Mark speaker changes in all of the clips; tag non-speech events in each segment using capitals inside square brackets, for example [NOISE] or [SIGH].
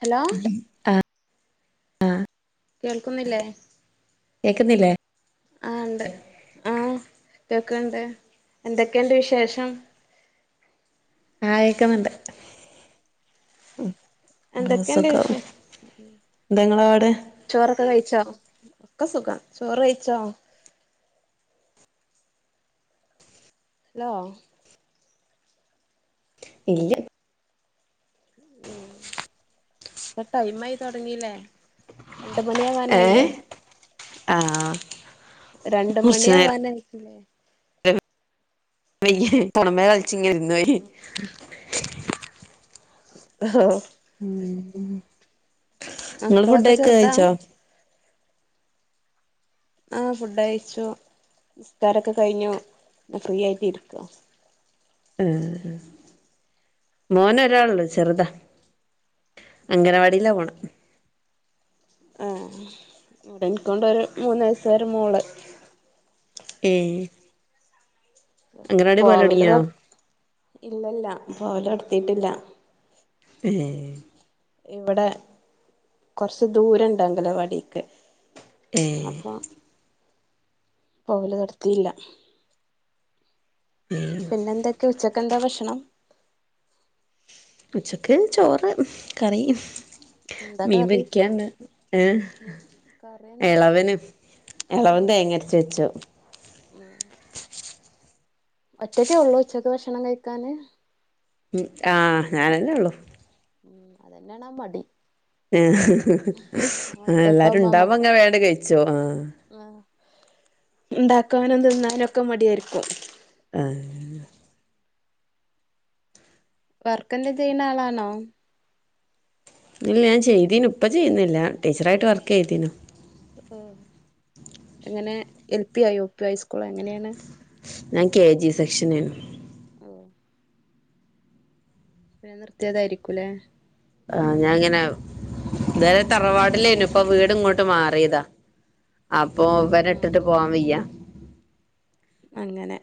Speaker 1: Hello
Speaker 2: ആഹ്
Speaker 1: കേൾക്കുന്നില്ലേ
Speaker 2: കേക്കുന്നില്ലേ
Speaker 1: ആഹ്ണ്ട് ആഹ് കേക്ക്ണ്ട് എന്തൊക്കെണ്ട് വിശേഷം
Speaker 2: ആ കേക്കുന്നുണ്ട് ആ
Speaker 1: എന്തൊക്കെയുണ്ട്
Speaker 2: സുഖം
Speaker 1: വിശേഷം
Speaker 2: എന്താ ഇങ്ങളിവിടെ
Speaker 1: ചോറൊക്കെ കഴിച്ചോ ഒക്കെ സുഖം ചോറ് കഴിച്ചോ ഹലോ
Speaker 2: ഇല്ല
Speaker 1: ഉം ഇപ്പ ടൈം ആയി തൊടങ്ങില്ലേ രണ്ട്
Speaker 2: ഏഹ്
Speaker 1: മണിയാവാനായില്ലേ
Speaker 2: ആഹ്
Speaker 1: രണ്ട്
Speaker 2: കുറച്ചു
Speaker 1: മണിയാവാനായിരിക്കില്ലേ
Speaker 2: വെയ്യ പൊറമേ കളിച്ചിങ്ങ് ഇരുന്നു പോയി
Speaker 1: ഹഹ
Speaker 2: നിങ്ങള്
Speaker 1: മക്കളൊക്കെ
Speaker 2: ഫുഡൊക്കെ
Speaker 1: ചെറുതാ
Speaker 2: കഴിച്ചോ
Speaker 1: ആഹ് ഫുഡ് അയിച്ചു നിസ്കാരൊക്കെ കഴിഞ്ഞു ഫ്രീ ആയിട്ട് ഇരിക്കുവ
Speaker 2: ഉം മോനൊരാളുണ്ട് ചെറുതാ അംഗനവാടിയിലാ പോണേ
Speaker 1: ആ ഇവിടെ എനിക്കുണ്ടൊരു മൂന്ന് വയസ്സ്കാരി മോള്
Speaker 2: ഏഹ് അംഗനവാടി
Speaker 1: പോവല്
Speaker 2: പോവലൊടങ്ങിയോ
Speaker 1: ക ഇല്ലല്ല പോവല് കടത്തിട്ടില്ല
Speaker 2: ഏഹ്
Speaker 1: ഇവിടെ കൊറച്ച് ദൂരണ്ട് അംഗലവാടിക്ക്
Speaker 2: ഏഹ്
Speaker 1: അപ്പൊ പോവല് നിർത്തിയില്ല പിന്നെ എന്തൊക്കെ ഉച്ചക്കൽത്തെ ഭക്ഷണം
Speaker 2: ഉച്ചക്ക് ചോറ് കറി
Speaker 1: എന്താ
Speaker 2: മീൻ
Speaker 1: കറി
Speaker 2: പൊരിക്കാന്ന് ഏഹ്
Speaker 1: കറി എന്താക്കി
Speaker 2: ഇളവന് എളവൻ തേങ്ങരച്ച് വെച്ചു
Speaker 1: ഉം [UNINTELLIGIBLE] [INAUDIBLE] ഒറ്റക്കെ ഉള്ളൂ ഉച്ചക്ക് ഭക്ഷണം കഴിക്കാന്
Speaker 2: ഉം ആഹ് ഞാനല്ലേ ഉള്ളു
Speaker 1: ഉം അതന്നെയാണ് മടി
Speaker 2: ആ എല്ലാരും
Speaker 1: ഒറ്റക്കാവുമ്പോ
Speaker 2: ഇണ്ടാവങ്കി വേണ്ട കഴിച്ചോ ആഹ്
Speaker 1: ആ ഇണ്ടാക്കാനും തിന്നാനൊക്കെ മടിയാരിക്കും
Speaker 2: ആഹ്
Speaker 1: വർക്ക് എന്തെ ചെയ്യുന്ന ആളാണോ
Speaker 2: ഇല്ല ഞാൻ ചെയ്തീനു ഇപ്പം ചെയ്യുന്നില്ല ടീച്ചറായിട്ട് വർക്ക് ചെയ്തീനു
Speaker 1: എങ്ങനെ എൽ പി ആയി യു പി ഹൈസ്കൂൾ എങ്ങനെയാണ്
Speaker 2: ഞാൻ കെ ജി സെക്ഷനാ
Speaker 1: ഓഹ് പിന്നെ നിർത്തിയതായിരിക്കൂല്ലേ.
Speaker 2: ആഹ് ഞാൻ ഇങ്ങനെ ഇതുവരെ തറവാടില്ലേനു ഇപ്പ വീട് ഇങ്ങോട്ട് മാറിയതാ. അപ്പൊ ഇവരെ
Speaker 1: ആഹ്
Speaker 2: ഇട്ടിട്ട് പോവാൻ വയ്യ
Speaker 1: അങ്ങനെ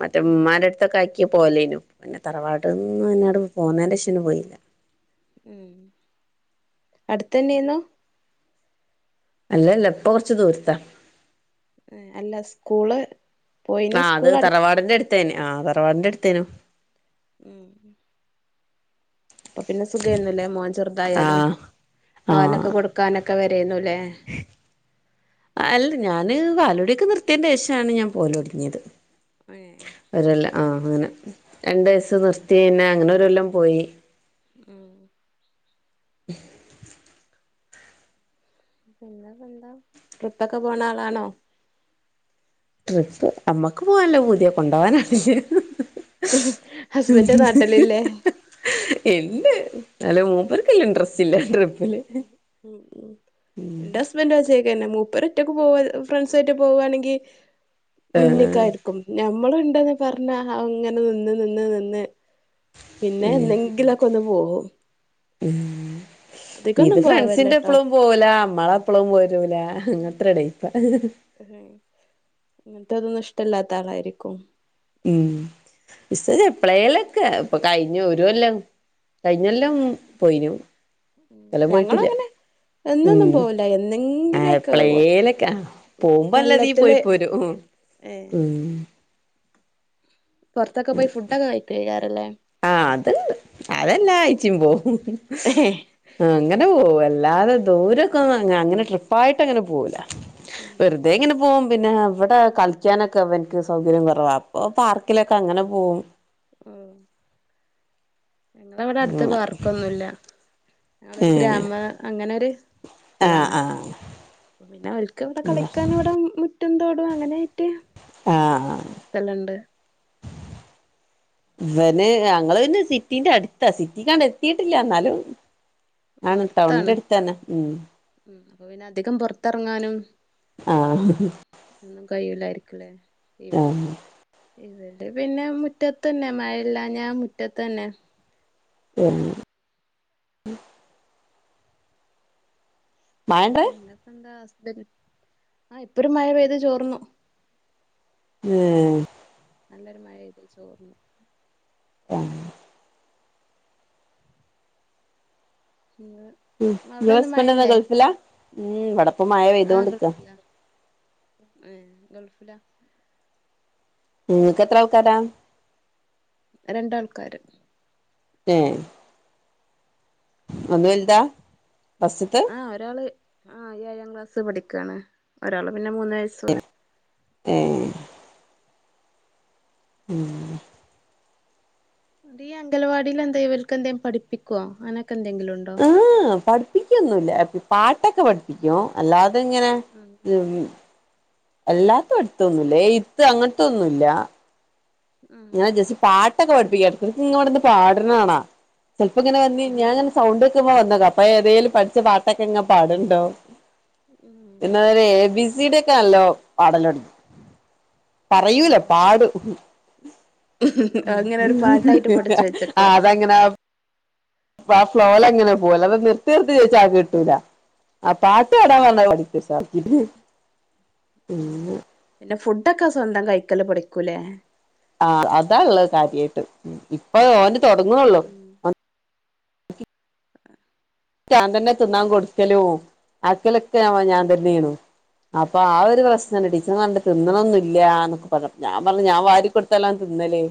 Speaker 2: മറ്റേ ഉമ്മാൻ്റെ അടുത്ത് ആക്കി പോലേനു പിന്നെ തറവാട്ട്ന്ന് ഇങ്ങട് പോന്നേൻ്റേഷം പോയില്ല.
Speaker 1: ഉം അടുത്തന്നാണോ
Speaker 2: അല്ലല്ല ഇപ്പൊ കൊറച്ച് ദൂരത്താ.
Speaker 1: അല്ല സ്കൂള് പോയിന്
Speaker 2: ആ അത്
Speaker 1: സ്കൂൾ അടുത്ത്
Speaker 2: തറവാടിന്റെ അടുത്തായിനു ആഹ് തറവാടിൻ്റെ അടുത്തേനു.
Speaker 1: ഉം അപ്പൊ പിന്നെ സുഖം ആയിരുന്നല്ലേ മോൻ ചെറുതായാലും
Speaker 2: ആഹ്
Speaker 1: പാലൊക്കെ
Speaker 2: ആഹ്
Speaker 1: കൊടുക്കാനൊക്കെ വരേന്നുല്ലേ
Speaker 2: അല്ല. ഞാന് പാലു കുടിയൊക്കെ നിർത്തിയേന്റെ ശേഷാണ് ഞാൻ പോവല് തുടുങ്ങിയത്.
Speaker 1: ഏ
Speaker 2: ഒരു കൊല്ലം ആഹ് അങ്ങനെ. രണ്ട് വയസ്സ് നിർത്തി പിന്നെ അങ്ങനെ ഒരു കൊല്ലം പോയി.
Speaker 1: ഉം പിന്നെ എന്താ. ട്രിപ്പൊക്കെ പോണ ആളാണോ?
Speaker 2: ട്രിപ്പ്. അമ്മക്ക് പോവാനൊക്കെ നല്ല പൂതിയാ. പക്ഷെ കൊണ്ടാനാളില്ല.
Speaker 1: ഹസ്ബൻ്റ് നാട്ടിലില്ലേ.
Speaker 2: ഇണ്ട്. എന്നാലും മൂപ്പർക്ക് വല്യ ഇൻട്രസ്റ്റ് ഇല്ല. ട്രിപ്പ്
Speaker 1: ഉ ഉം എന്റെ ഹസ്ബൻ്റ് അച്ചേക്കന്നെ മൂപ്പര് ഒറ്റക്കു പോവു ഫ്രണ്ട്സായിട്ട് പോവാണെങ്കി
Speaker 2: ആഹ്
Speaker 1: മുന്നൊക്കായിരിക്കും. ഞമ്മളുണ്ടെന്ന് പറഞ്ഞാ അവൻ ഇങ്ങനെ നിന്ന് നിന്ന് നിന്ന് പിന്നെ എന്നെങ്കിലൊക്കെ ഒന്ന് പോകും.
Speaker 2: ഉം ഇത്
Speaker 1: അധികൊന്നും
Speaker 2: ഫ്രണ്ട്സിന്റെ
Speaker 1: പോവല്ലട്ടോ
Speaker 2: എപ്പളും പോലാ നമ്മളെപ്പളും വരൂല അങ്ങനത്രടേ ടൈപ്പാ
Speaker 1: അങ്ങനത്തെ അതൊന്നും ഇഷ്ടല്ലാത്ത ആളായിരിക്കും.
Speaker 2: ഉം ഇസ എപ്പെളേലൊക്കെ ഇപ്പൊ കഴിഞ്ഞു ഒരു കൊല്ലം കഴിഞ്ഞ ല്ലം പോയിനു. ഇക്കൊല്ലം
Speaker 1: ഞങ്ങള്
Speaker 2: പോയിട്ടില്ല
Speaker 1: അങ്ങനെ
Speaker 2: ഉം ആഹ് പ്ലേനൊക്കെ പോകുമ്പോ അല്ലാതീ പോയ്
Speaker 1: കൊല്ലത്തില്
Speaker 2: പോരും.
Speaker 1: ഏ
Speaker 2: ഉം
Speaker 1: പുറത്തൊക്കെ പോയി ഫുഡൊക്കെ കഴിക്ക ക്കാറില്ലേ?
Speaker 2: ആഹ് അതുണ്ട്. അതെല്ലാഴ്ച്ചേം പോവും. അങ്ങനെ പോകും. അല്ലാതെ ദൂരൊക്കെ അങ്ങ് അങ്ങനെ ട്രിപ്പായിട്ട് അങ്ങനെ പോവൂല. വെറുതെ ഇങ്ങനെ പോകും. പിന്നെ ഇവിടെ കളിക്കാനൊക്കെ ഇവനക്ക് സൗകര്യം കുറവാ. അപ്പൊ പാർക്കിലൊക്കെ അങ്ങനെ പോകും.
Speaker 1: ആഹ്. ഞങ്ങളവിടെ അടുത്ത്
Speaker 2: ഉം
Speaker 1: പാർക്കൊന്നുല്ല.
Speaker 2: ഏ
Speaker 1: ഞങ്ങളൊരു ഗ്രാമ അങ്ങനെൊര്
Speaker 2: ആ
Speaker 1: ത്തിലാണ്.
Speaker 2: ആ
Speaker 1: പിന്നെ അവർക്ക് ഇവിടെ കളിക്കാൻ ഇവിടെ മുറ്റോം തോടും അങ്ങനായിട്ട്
Speaker 2: ആഹ് ഇവന് ഞങ്ങള് പിന്നെ സിറ്റിന്റെ അടുത്താ. സിറ്റിക്ക് അങ്ങട് എത്തിയിട്ടില്ല. എന്നാലും ആണ്
Speaker 1: അടുത്താണ്.
Speaker 2: ടൗണിന്റെ അടുത്തന്നെ ഉം
Speaker 1: ഉം അപ്പൊ പിന്നെ അധികം പുറത്തിറങ്ങാനും
Speaker 2: ആഹ്
Speaker 1: ഒന്നും കഴിയില്ലായിരിക്കൂലേ. ഇവ
Speaker 2: ആ
Speaker 1: ഇവിടെ പിന്നെ മുറ്റത്ത് തന്നെ. മഴയില്ലാഞ്ഞ മുറ്റത്ത് തന്നെ.
Speaker 2: എം മഴണ്ടവിടെ
Speaker 1: പിന്നെപ്പെന്താ ഹസ്ബെന്റ് ആഹ് ഇപ്പൊരു മഴ പെയ്ത് ചോർന്നു
Speaker 2: ഏഹ്
Speaker 1: നല്ലൊരു മഴയ്ത് ചോർന്നു
Speaker 2: ആഹ്
Speaker 1: ഇങ്ങ
Speaker 2: ഉം ങ്ങളെ ഹസ്ബന്റെന്താ ഗൾഫില? ഉം വടെ
Speaker 1: ആഹ് ഗൾഫില ഏഹ് ഗൾഫില
Speaker 2: ഇങ്ങക്കെത്ര ആൾക്കാരാ?
Speaker 1: രണ്ടാൾക്കാര്
Speaker 2: എഹ് അത് വെൽതാ ഫസ്റ്റ്ത്തെ
Speaker 1: ഒരാൾ ആഹ് ഏഴാം ക്ലാസ്സ് പഠിക്കാണ് ഒരാള് പിന്നെ മൂന്നൈസ
Speaker 2: ഏഹ് ഉം
Speaker 1: ടീ അംഗലവാടിലെന്തെ ഇവൽക്കെന്തെ പഠിപ്പിക്കൊ അങ്ങനൊക്കെന്തെങ്കിലുണ്ടോ?
Speaker 2: ആഹ് പടിപ്പിക്കൊന്നുല്ല പാട്ടൊക്കെ പഠിപ്പിക്കും അല്ലാതെങ്ങനെ
Speaker 1: [UNINTELLIGIBLE]
Speaker 2: [UNINTELLIGIBLE] അല്ലാത്തെ പട്ത്തൊന്നുല്ല എയ്ത്ത് അങ്ങൻത്തൊന്നുല്ല
Speaker 1: ഉം
Speaker 2: ഞാൻ ജെസി പാട്ടൊക്കെ പഠിപ്പിക്ക എട്ക്കട്ക്ക് ഇവട്ന്ന് പാട്ണാണാ ചെൽപ്പങ്ങനെ വന്ന്
Speaker 1: ഉം
Speaker 2: ഞാന് സൗണ്ടെക്കുമ്പോ വന്നതാ അപ്പെതെലും പഠിചേ പാട്ടൊക്കെങ്ങനെ പാട്ണ്ടാവും
Speaker 1: ഉം
Speaker 2: പിന്നവര് എ ബി സി ഡിയൊക്കെ നല്ലോം പാടലൊട്ങ്ങി പറയൂല
Speaker 1: ഉം
Speaker 2: പാടും ഉം
Speaker 1: അങ്ങനെ
Speaker 2: ഉം
Speaker 1: ഒരു പാട്ടായിട്ട് പഠിച്ചു വെച്ചക്കാ
Speaker 2: ആഹ് അതങ്ങനെ ആഹ് ഫ്ലോലങ്ങനെ പോവും അല്ലാതെ നിർത്തി നിർത്തി ചോയ്ച്ചാ കിട്ടൂല ആഹ് പാട്ട് പാടാം
Speaker 1: ഉം
Speaker 2: പർഞാ അഹ് പാടിതരും [UNINTELLIGIBLE]
Speaker 1: ഉം പിന്നെ ഫുഡൊക്കെ സ്വന്തം കൈക്കല് പടിക്കുലേ
Speaker 2: ആഹ് അതാള്ളെ കാര്യായ്ട്ട് ഇപ്പത് ഓന് തെടങ്ങ്ണൊള്ളു
Speaker 1: ഉം
Speaker 2: ഞാൻ തന്നെ തിന്നാകൊട്ക്കലും ആക്കലൊക്കെ
Speaker 1: ഉം
Speaker 2: ഞാൻതന്നെന്നു അപ്പ ആഹ് ഒരു പ്രശ്നണ്ട്
Speaker 1: ഉം
Speaker 2: ടീച്ചർണ്ട് തിന്ന്ണൊന്നുല്ല്യ ന്നൊക്കെ പർഞ്ഞ് ഞാ പർഞ്ഞ് ഞാവാരിക്കൊട്‌ത്താലാണ് തിന്നല്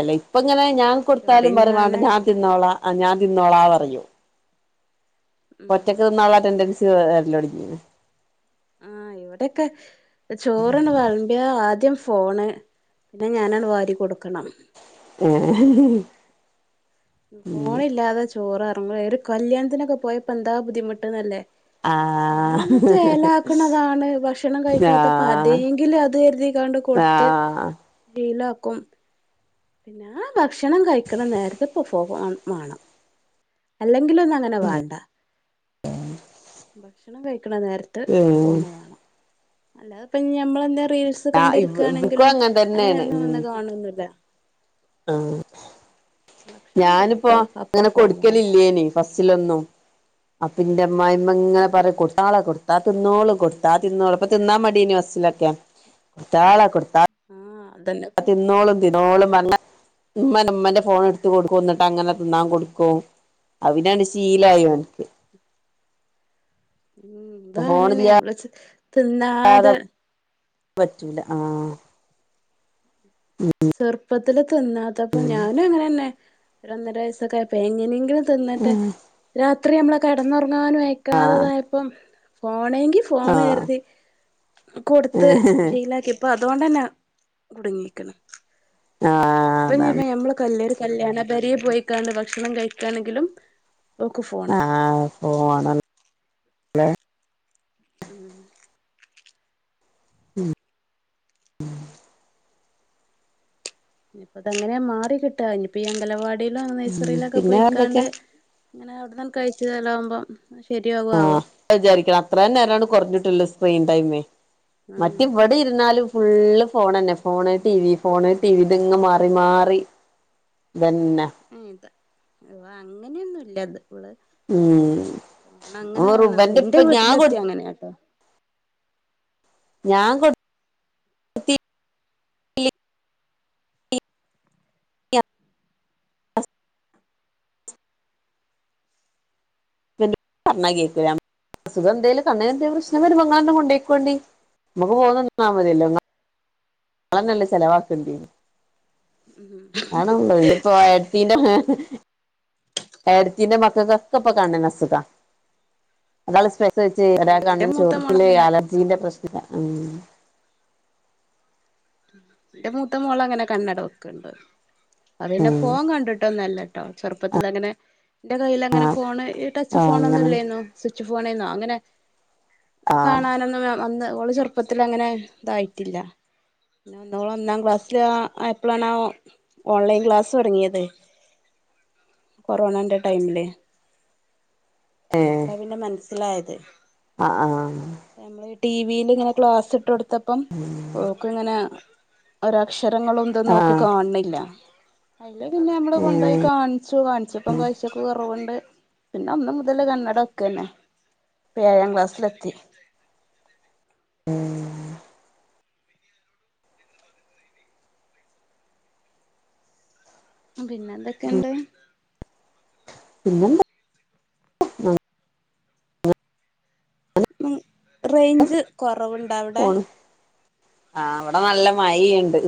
Speaker 2: അല്ല ഇപ്പങ്ങനെ ഞാൻ
Speaker 1: ഇവിടെ
Speaker 2: കൊട്ത്താലും പറിം
Speaker 1: ഞാന്
Speaker 2: വാണ്ട ഞാൻ തിന്നോളാ ആഹ് ഞാൻ തിന്നോളാ പറയും
Speaker 1: ഉം
Speaker 2: ഇപ്പൊറ്റക്ക് തിന്നാള്ള അറ്റന്റൻസ് വര്ലൊട്ങ്ങീണ്
Speaker 1: ആഹ് ഇവടെക്കെ ചോറ്ണ്ട് വൾ മ്പ്യാ ആദ്യം ഫോണ് പിന്നെ ഞാനാണ്ട് വാരി കൊടുക്കണം
Speaker 2: ഏഹ്
Speaker 1: ഫോണില്ലാതെ ചോറർങ്ങുല ഒരു കല്ല്യാണത്തിനൊക്കെ പോയപ്പന്താ ബുദ്ധിമുട്ട്ന്നല്ലേ
Speaker 2: ആഹ്
Speaker 1: നമ്മളെന്നെ ചേലാക്ക്ണതാണ് ഭക്ഷണം കഴിക്കാത്തപ്പോ
Speaker 2: ആഹ്
Speaker 1: അതേങ്കിലും അത് കെര്തികാണ്ട്
Speaker 2: ആഹ്
Speaker 1: ഷിലാക്കും ഞാൻ ഭക്ഷണം കഴിക്ണ നേരത്ത്പൊ ഫോൺ മാണം അല്ലെങ്കിലൊന്നങ്ങനെ വാണ്ട
Speaker 2: [UNINTELLIGIBLE]
Speaker 1: ഭക്ഷണം കഴിക്ണ നേരത്ത്
Speaker 2: ഉം
Speaker 1: ഫോണ് വാണം അല്ലാതെപ്പ ഞമ്മളെന്തെ റീൽസ് ത്
Speaker 2: ഇവക്കും
Speaker 1: കണ്ടിരിക്കാണെങ്കിലും
Speaker 2: അങ്ങനെ തന്നെയാണ്
Speaker 1: അങ്ങനെന്നും
Speaker 2: ഉം
Speaker 1: വന്ന് കാണൊന്നുല്ല
Speaker 2: ആഹ്
Speaker 1: ഭക്ഷണം
Speaker 2: ഞാന്പ്പോ
Speaker 1: എടുത്തോ അപ്പൊ
Speaker 2: അങ്ങനെ
Speaker 1: ഫോൺ വേണം
Speaker 2: കൊട്ക്കലില്ലേനി ബസ്സിലൊന്നും അപ്പന്റെ അമ്മായിമ്മങ്ങനെ
Speaker 1: ഉം
Speaker 2: പറിം കൊട്ത്താളാ കൊട് കൊട്ത്താ തിന്നോളും കൊട്ത്താ തിന്നോളും ഇപ്പ തിന്നാ മടേനീ വസ്സിലൊക്കെ കൊട്ത്താളാ കൊട്ത്ത
Speaker 1: ആഹ് അതന്നെ
Speaker 2: അഹ്
Speaker 1: ഇപ്പൊ
Speaker 2: തിന്നോളും തിന്നോളും പർഞ്ഞ് ഇമ്മന്നെ ഇമ്മന്റെ ഫോണ് ഇട്ത്ത് കൊടുക്കും ഇന്നട്ടങ്ങനെ തിന്നാകൊട്ക്കും അഹ് പിന്നെ ആണ്ട് ശീലായി ഓൻക്ക്
Speaker 1: ഉം ഇതും അങ്ങനെന്നെ
Speaker 2: ഫോണില്ലാതെ
Speaker 1: അമ്മള് തിന്നാതെ
Speaker 2: പറ്റൂല ആഹ് ഉം
Speaker 1: ചെർപ്പത്തില് തിന്നാത്തപ്പം ഞാനും അങ്ങനെന്നെ ഒര് ഒന്നര വയസ്സൊക്കെ ആയപ്പോ എങ്ങനെങ്കിലും തിന്നട്ടെ രാത് ത്രി അമ്മളെ കെടന്നോറങ്ങാനും അയക്കാത
Speaker 2: ആഹ്
Speaker 1: തായപ്പം ഫോണെങ്കി ഫോണ്
Speaker 2: ആഹ്
Speaker 1: കെര്തി കൊട്ത്ത് ശീലാക്കിപ്പോ അതോണ്ടന്നെ കുടുങ്ങിക്ക
Speaker 2: ആഹ്
Speaker 1: ഇപ്പ
Speaker 2: അതാണ്
Speaker 1: ഞ്പ്പം ഞമ്മള് കൽ കല്യാണ പെരീ പോയ്ക്കാണ്ട് ഭക്ഷണം കഴിക്കാണെങ്കിലും ഓക്ക് ഫോണ്
Speaker 2: ആഹ് ഫോണ്
Speaker 1: ഉം
Speaker 2: ഉം ഉം
Speaker 1: ഇനിപ്പ ഇത് എങ്ങനെ മാറി കിട്ടാ ഇനിപ്പ ഈ അംഗലവാടിയിലും നൈസറിലൊക്കെ
Speaker 2: പിന്നെ വേറെന്തൊക്കെ
Speaker 1: പോയ്ക്കാണ്ട് ഇങ്ങനെ അവിടന്നന്ന് കഴിച്ചതലാവകുമ്പം ശരിയാകു ആവോ
Speaker 2: ആഹ് വിചാരിക്കണം അത്രയും നേരമാണ് കുറഞ്ഞിട്ടുള്ള സ്ക്രീൻ ടൈമേ മറ്റ
Speaker 1: ആഹ്
Speaker 2: ഇവിടെ ഇരുന്നാലും ഫുള്ള് ഫോണ്ന്നെ phone T V phone T V ഇതങ്ങ് മാറി മാറി ഇതന്നേ.
Speaker 1: ഉം ഇത് അങ്ങനെയൊന്നുംല്ല ഇത് ഇവൾ
Speaker 2: ഉം
Speaker 1: ന്ന അങ്ങനെ വേണെന്നല്ലോ
Speaker 2: റുബന്റെ ഇപ്പ
Speaker 1: എന്റെറെ
Speaker 2: ഞാൻ കൊടു
Speaker 1: വീട്ടിലെത്തിയ അങ്ങനൊട്ടോ.
Speaker 2: ഞാൻ കൊ ആ [INAUDIBLE] പർണ്ണാ കേക്കുല അസുഖം എന്തേലും കണ്ണ്ന് എന്തേം പ്രശ്നം വരുമ്പോ ഇങ്ങളെന്നെ കൊണ്ടോയ്ക്കൊണ്ടി നമുക്ക് പോന്ന് തി ന്നാമ തില്ലോന്ന വള നല്ല ചെിലവാക്കണ്ട ആണള്ള ഇപ്പൊീന്റെ [UNINTELLIGIBLE] എടത്തിന്റെ മക്ക ക്കപ്പൊ കണ്ണിനു അ സുഖ അതാ ണ് സ്പെൻഡ്‌ ഇത
Speaker 1: എന്റെ
Speaker 2: കണ്ണും
Speaker 1: മൂത്ത
Speaker 2: ചോറുക്ക
Speaker 1: മോളങ്ങനെ
Speaker 2: അലർജിന്റെ പ്രശ്നില്ല ഉ [UNINTELLIGIBLE]
Speaker 1: എന്റെ മൂത്ത മോള അങ്ങനെ കണ്ണട വെക്കണ്ട് അത് പിന്നെ ഫോൺ കണ്ടിട്ടൊന്നല്ല. കേട്ടോ ചെറുപ്പത്തിൽ അങ്ങനെ എന്റെ കൈൽ അങ്ങനെ ഫോൺ ഈ ട്ട ച്ച്
Speaker 2: ഉം ആഹ്
Speaker 1: ഫോൺ ഒന്നും
Speaker 2: അങ്ങനെ
Speaker 1: ഇല്ലയി ന്നു. സ്വിച്ച് ഫോണിൽന്നോ അങ്ങനെ
Speaker 2: ആഹ്
Speaker 1: കാണാനൊന്ന അന്ന് ഓള് ചെറുപ്പത്തിൽ അങ്ങനെ ഇതായിട്ടില്ല. ഒന്നാം ക്ലാസ്സില് ആയപ്പോഴാണ് ഓൺലൈൻ ക്ലാസ് തുടങ്ങിയത്. കൊറോണന്റെ ടൈമില്. അപ്പളാ പിന്നെ മനസ്സിലായത്.
Speaker 2: ആ ആ
Speaker 1: നമ്മള്ഈ ടി വിൽ ഇങ്ങനെ ക്ലാസ്സ് ഇട്ട് കൊടുത്തപ്പം ഓക്കും ഇങ്ങനെ ഒര അക്ഷരങ്ങളൊന്തും ഓ ക്ക്
Speaker 2: ആഹ്
Speaker 1: കാണണില്ല. അയിൽ പിന്നെ ഞമ്മൾകൊണ്ടുപോയി
Speaker 2: ഏഹ്
Speaker 1: കാണിച്ചു കാണിച്ചു ഇപ്പം കാഴിച്ചൊക്കെ കുറവുണ്ട് പിന്നെ ഒന്നു മുതല് കണ്ണട വെയ്ക്കന്നെ. ഇപ്പോൾ എയ്യാ ക്ലാസ്സിലെത്തി.
Speaker 2: ഉം.
Speaker 1: പിന്നെ എന്തൊക്കെയുണ്ട്?
Speaker 2: പിന്നെ എ ന്താ?
Speaker 1: ഉം റേഞ്ച് കുറവുണ്ടോ അവിടെ?
Speaker 2: ആഇവടെ നല്ല മഴയുണ്ട്.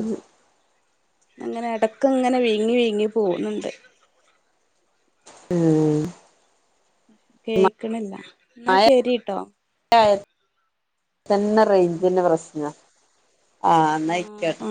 Speaker 1: അങ്ങനെ ഇടക്ക ഇങ്ങനെ വീയ് ങ്ങി വിയ്ങ്ങി പോണ ണ്ട്..
Speaker 2: ഉം.
Speaker 1: കേക്കണില്ല എന്നാ ശരിട്ടോ.
Speaker 2: ര എന്ന റേഞ്ചിന്റെ പ്രശ്ന ആ എന്നായിക്കോട്ടോ-